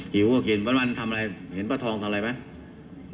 หิวก็กินวันทำอะไรเห็นป้าทองทำอะไรไหม